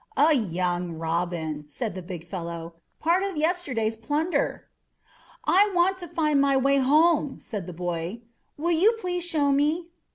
"A young Robin," said the big fellow; "part of yesterday's plunder." "I want to find my way home," said the boy. "Will you please show me?"